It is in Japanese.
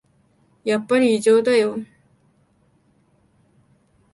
やっぱり異常だよ